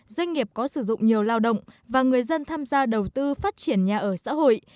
doanh nghiệp có sử dụng nhiều lao động và người dân tham gia đầu tư phát triển nhà ở xã hội